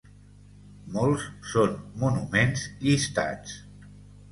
Molts són monuments llistats.